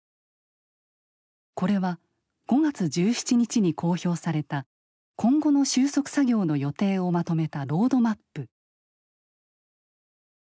これは５月１７日に公表された今後の収束作業の予定をまとめたロードマップ。